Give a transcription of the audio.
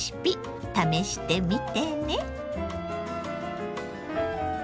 試してみてね。